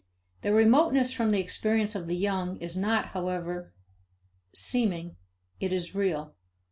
Their remoteness from the experience of the young is not, however, seeming; it is real.